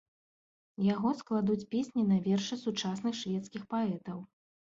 Яго складуць песні на вершы сучасных шведскіх паэтаў.